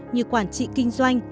như quản trị kinh doanh